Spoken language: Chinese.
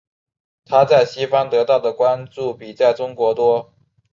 她在西方得到的关注比在中国多。